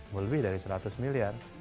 lebih dari seratus miliar